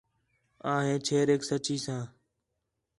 آں ہے چھیریک سچّی ساں